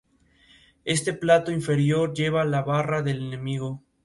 Este plato inferior lleva la Barra del Enemigo.